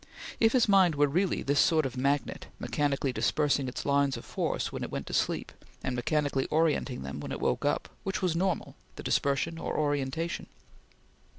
If his mind were really this sort of magnet, mechanically dispersing its lines of force when it went to sleep, and mechanically orienting them when it woke up which was normal, the dispersion or orientation?